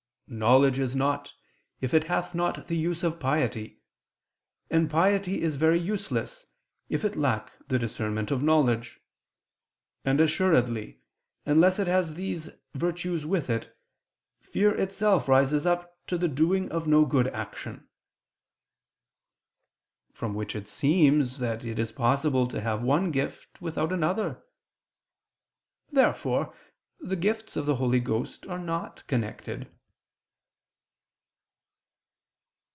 . Knowledge is nought if it hath not the use of piety ... and piety is very useless if it lack the discernment of knowledge ... and assuredly, unless it has these virtues with it, fear itself rises up to the doing of no good action": from which it seems that it is possible to have one gift without another. Therefore the gifts of the Holy Ghost are not connected.